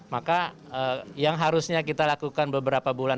maka yang harusnya kita lakukan beberapa bulan